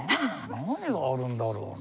何があるんだろうな？